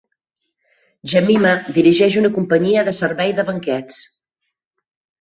Jemima dirigeix una companyia de servei de banquets.